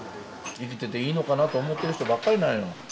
生きてていいのかなと思ってる人ばっかりなんよ。